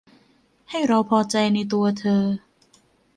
ให้เราพอใจในตัวเธอ